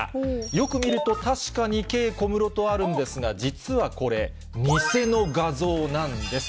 よく見ると、確かにＫＥＩＫＯＭＵＲＯとあるんですが、実はこれ、偽の画像なんです。